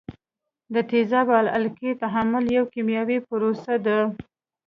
د تیزاب او القلي تعامل یو کیمیاوي پروسه ده.